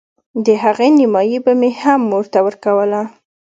د هغې نيمايي به مې هم مور ته ورکوله.